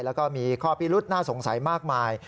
แล้วก็มีข้อพิรุษน่าสงสัยมากมาย